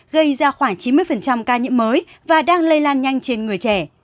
gây ra khoảng chín mươi ca nhiễm mới và đang lây lan nhanh trên người trẻ